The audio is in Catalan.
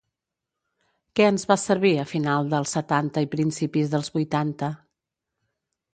Què ens va servir a final del setanta i principis dels vuitanta?